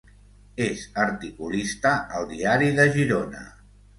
És articulista al Diari de Girona.